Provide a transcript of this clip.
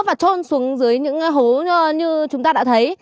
và trôn xuống dưới những hố như chúng ta đã thấy